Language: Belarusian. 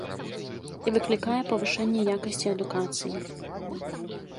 І выклікае павышэнне якасці адукацыі.